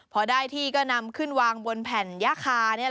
พอได้ที่ก็นำขึ้นวางบนแผ่นย่าคา